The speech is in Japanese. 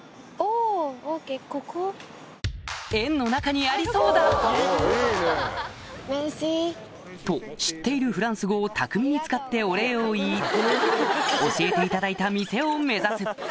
円の中にありそうだ！と知っているフランス語を巧みに使ってお礼を言い教えていただいた店を目指す